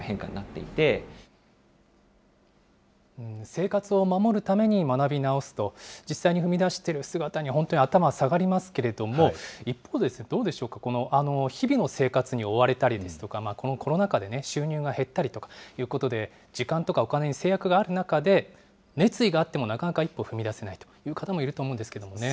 生活を守るために学び直すと、実際に踏み出している姿に本当に頭が下がりますけれども、一方で、どうでしょうか、日々の生活に追われたりですとか、このコロナ禍で収入が減ったりとかいうことで、時間とかお金に制約がある中で、熱意があってもなかなか一歩踏み出せないという方もいると思うんですけどね。